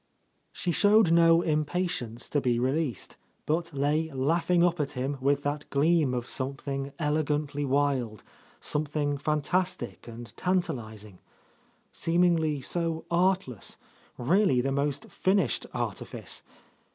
She showed no impatience to be released, but lay laughing up at him with that gleam of some thing elegantly wild, something fantastic and tan talizing, — seemingly so artless, really the most fin ished artifice!